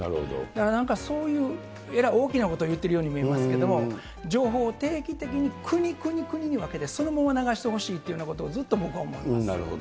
だからなんか、そういうえらい大きなことを言ってるように見えますけれども、情報を定期的に国、国、国に分けて、そのまま流してほしいと、ずっと僕は思ってます。